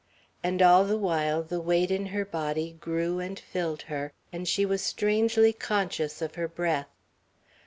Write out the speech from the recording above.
And all the while the weight in her body grew and filled her, and she was strangely conscious of her breath.